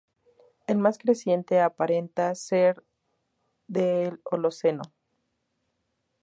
El más reciente aparenta ser del Holoceno.